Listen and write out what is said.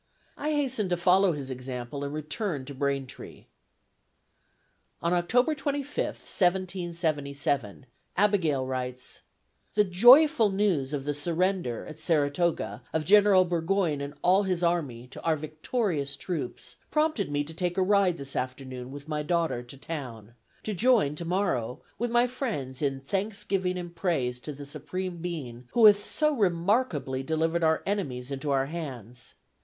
I hasten to follow his example and return to Braintree. On October 25th, 1777, Abigail writes: "The joyful news of the surrender (at Saratoga) of General Burgoyne and all his army, to our victorious troops, prompted me to take a ride this afternoon with my daughter to town, to join, tomorrow, with my friends in thanksgiving and praise to the Supreme Being who hath so remarkably delivered our enemies into our hands.